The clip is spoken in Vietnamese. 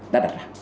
đã đặt ra